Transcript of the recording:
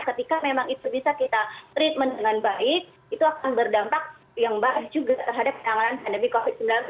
ketika memang itu bisa kita treatment dengan baik itu akan berdampak yang baik juga terhadap penanganan pandemi covid sembilan belas